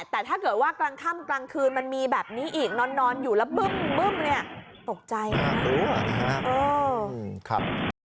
ยายกลัวสงสารยายเถอะนะใช่ไหมยาย